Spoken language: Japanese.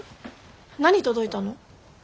何届いたの？